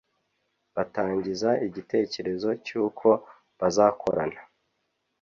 batangiza igitekerezo cyuko bazakorana